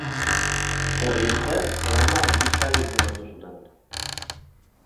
Horri esker, landa mariskal izendatu zuten.